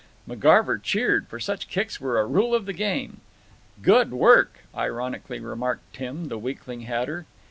McGarver cheered, for such kicks were a rule of the game. "Good work," ironically remarked Tim, the weakling hatter.